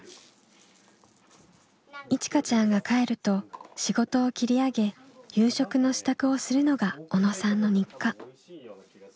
いちかちゃんが帰ると仕事を切り上げ夕食の支度をするのが小野さんの日課。